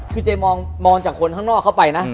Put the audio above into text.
คือเจ๊มองจากคนข้างนอกเข้าไปนะ